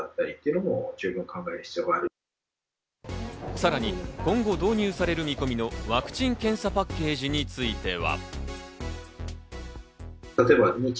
さらに今後導入される見込みのワクチン・検査パッケージについては。